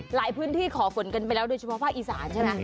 หลายพื้นที่ขอฝนกันไปแล้วโดยเฉพาะภาคอีสานใช่ไหม